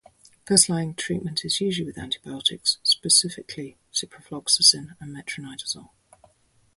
First line treatment is usually with antibiotics, specifically with ciprofloxacin and metronidazole.